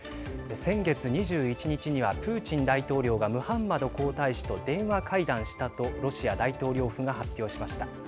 先月２１日にはプーチン大統領がムハンマド皇太子と電話会談したとロシア大統領府が発表しました。